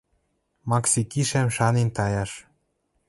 Макси кишӓм шанен таяш: